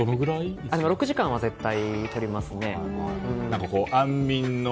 ６時間は絶対とりますね。